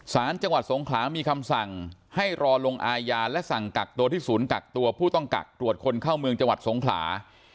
สารจังหวัดสงขลามีคำสั่งให้รอลงอาญาและสั่งกักตัวที่ศูนย์กักตัวผู้ต้องกักตรวจคนเข้าเมืองจังหวัดสงขลา